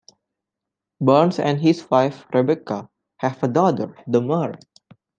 Barnes and his wife, Rebecca, have a daughter, Damara.